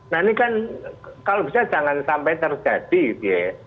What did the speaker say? nah ini kan kalau bisa jangan sampai terjadi gitu ya